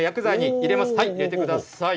入れてください。